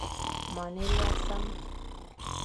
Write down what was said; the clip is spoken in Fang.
Moan élé âʼa sam.